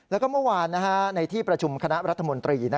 แล้วก็เมื่อวานในที่ประชุมคณะรัฐมนตรี